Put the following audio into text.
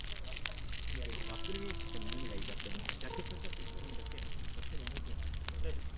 The original mission was associated with the Presidio of Santa Barbara.